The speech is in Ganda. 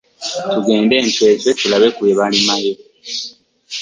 Tugende e Ntwetwe tulabe ku bye balimayo.